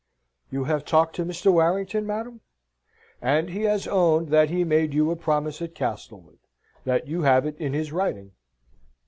"You have talked to Mr. Warrington, madam?" "And he has owned that he made you a promise at Castlewood: that you have it in his writing."